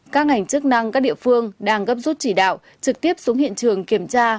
các ngành chức năng các địa phương đang gấp rút chỉ đạo trực tiếp xuống hiện trường kiểm tra